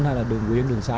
hay là đường quyển đường xã